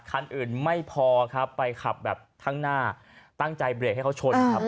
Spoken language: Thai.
คันอื่นไม่พอครับไปขับแบบข้างหน้าตั้งใจเบรกให้เขาชนครับ